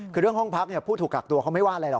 คือเรื่องห้องพักผู้ถูกกักตัวเขาไม่ว่าอะไรหรอ